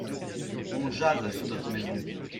On jase sur notre maison.